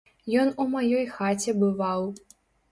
Ён у маёй хаце бываў.